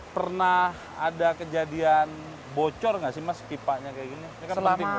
pernah ada kejadian bocor gak sih mas pipanya kayak gini